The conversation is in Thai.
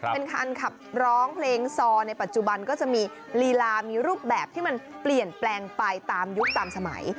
เป็นคันขับร้องเพลงซอในปัจจุบันก็จะมีลีลามีรูปแบบที่มันเปลี่ยนแปลงไปตามยุคตามสมัย